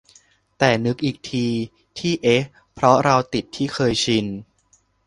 แต่นึกอีกที ที่เอ๊ะเพราะเราติดที่เคยชิน